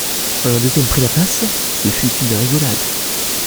Un deuxième prit la place, ce fut une rigolade.